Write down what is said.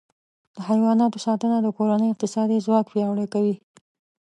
د حیواناتو ساتنه د کورنۍ اقتصادي ځواک پیاوړی کوي.